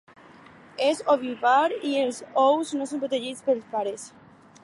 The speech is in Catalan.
És ovípar i els ous no són protegits pels pares.